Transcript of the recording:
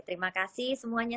terima kasih semuanya